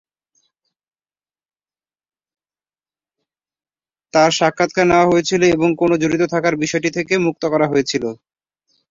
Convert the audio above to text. তার সাক্ষাৎকার নেওয়া হয়েছিল এবং কোনও জড়িত থাকার বিষয়টি থেকে মুক্ত করা হয়েছিল।